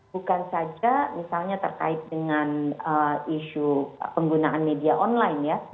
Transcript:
bukan saja misalnya terkait dengan isu penggunaan media online ya